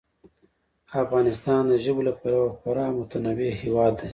افغانستان د ژبو له پلوه خورا متنوع هېواد دی.